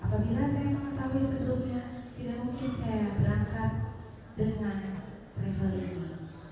apabila saya mengetahui sebelumnya tidak mungkin saya berangkat dengan traveling